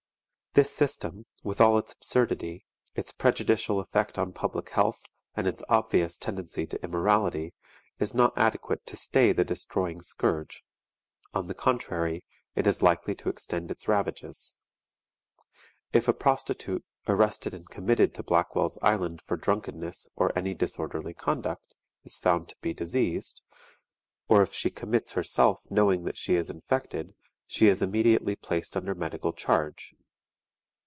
This system, with all its absurdity, its prejudicial effect on public health, and its obvious tendency to immorality, is not adequate to stay the destroying scourge; on the contrary, it is likely to extend its ravages. If a prostitute, arrested and committed to Blackwell's Island for drunkenness or any disorderly conduct, is found to be diseased, or if she commits herself knowing that she is infected, she is immediately placed under medical charge.